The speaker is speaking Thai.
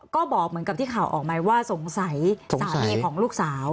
ก็บอกเหมือนกับที่ข่าวออกไหมว่าสงสัยสามีของลูกสาว